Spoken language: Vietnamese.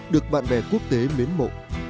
được bạn bè quốc tế mến mộ